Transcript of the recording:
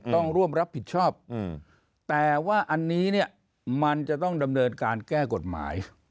ต้องร่วมรับผิดชอบแต่ว่าอันนี้เนี่ยมันจะต้องดำเนินการแก้กฎหมาย